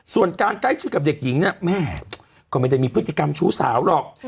ส่วนการใกล้ชิดกับเด็กหญิงเนี่ยแม่ก็ไม่ได้มีพฤติกรรมชู้สาวหรอก